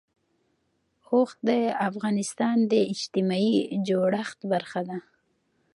اوښ د افغانستان د اجتماعي جوړښت برخه ده.